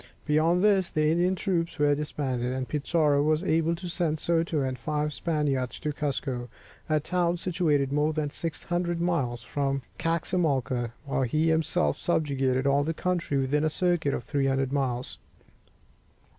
Beyond this, the Indian troops were disbanded, and Pizarro was able to send Soto and five Spaniards to Cuzco, a town situated more than 600 miles from Caxamalca, while he himself subjugated all the country within a circuit of 300 miles.